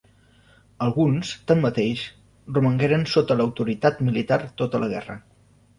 Alguns, tanmateix, romangueren sota l'autoritat militar tota la guerra.